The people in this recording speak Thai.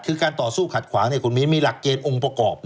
คือการต่อสู้ขัดขวางมีหลักเจนองค์ประกอบ